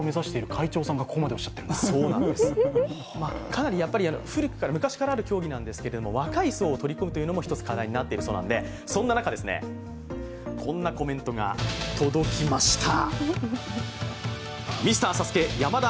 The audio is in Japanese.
かなり昔からある競技なんですけれども、若い層を取り込むというのも１つ課題となっているので、そんな中、こんなコメントが届きました。